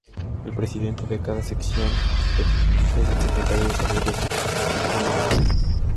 El Presidente de cada Sección es el Secretario de Salud de su respectiva nación.